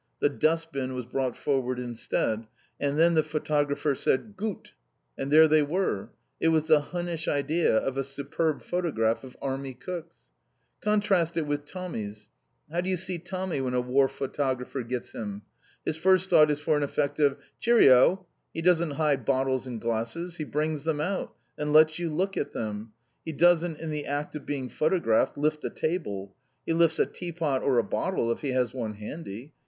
The dustbin was brought forward instead. And then the photographer said "gut!" And there they were! It was the Hunnish idea of a superb photograph of Army Cooks. Contrast it with Tommy's! How do you see Tommy when a war photographer gets him? His first thought is for an effect of "Cheer oh!" He doesn't hide bottles and glasses. He brings them out, and lets you look at them. He doesn't, in the act of being photographed, lift a table. He lifts a tea pot or a bottle if he has one handy.